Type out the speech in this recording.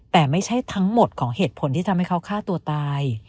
แต่ไม่ใช่ทั้งหมดของเหตุผลที่ทำให้เขาฆ่าตัวตาย